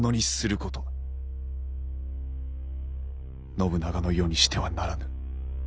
信長の世にしてはならぬ。